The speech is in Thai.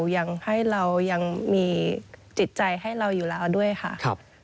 ยังให้เรายังมีจิตใจให้เราอยู่แล้วด้วยค่ะ